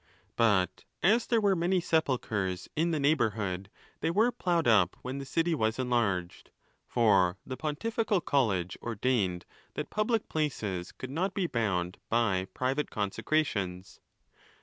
But as there were many sepulchres in the neigh bourhood, they were ploughed up when the city was enlarged. For the pontifical college ordained that public places could not be bound by private consecrations.